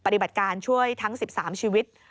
ปฏิบัติการช่วยทั้ง๑๓ชีวิต